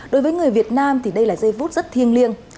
đối với người việt nam thì đây là giây phút rất thiêng liêng